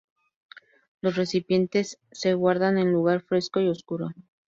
Los recipientes se guardan en lugar fresco y oscuro.